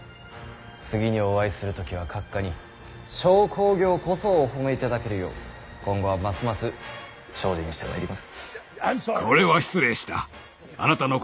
次にお会いする時は閣下に商工業こそお褒めいただけるよう今後はますます精進してまいります。